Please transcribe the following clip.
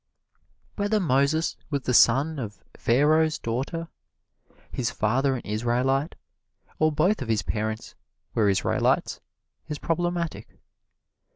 Whether Moses was the son of Pharaoh's daughter, his father an Israelite, or both of his parents were Israelites, is problematic.